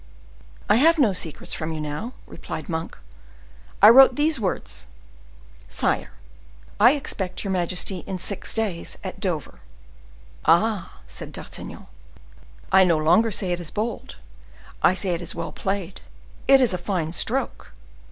"I have no secrets from you now," replied Monk. "I wrote these words: 'Sire, I expect your majesty in six weeks at Dover.'" "Ah!" said D'Artagnan, "I no longer say it is bold; I say it is well played; it is a fine stroke!"